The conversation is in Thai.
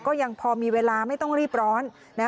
ก็ยังพอมีเวลาไม่ต้องรีบร้อน